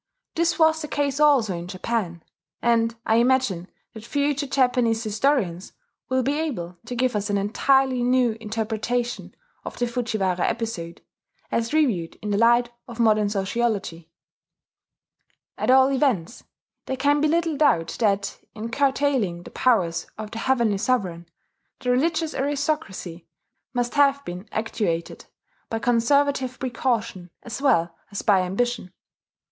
This was the case also in Japan; and I imagine that future Japanese historians will be able to give us an entirely new interpretation of the Fujiwara episode, as reviewed in the light of modern sociology. At all events, there can be little doubt that, in curtailing the powers of the Heavenly Sovereign, the religious aristocracy must have been actuated by conservative precaution as well as by ambition.